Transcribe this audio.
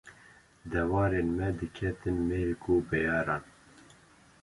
Dewarên me diketin mêrg û beyaran